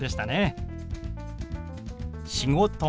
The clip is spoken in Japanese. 「仕事」。